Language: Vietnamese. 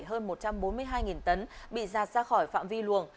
hơn một trăm bốn mươi hai tấn bị giạt ra khỏi phạm vi luồng